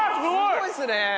すごいっすね。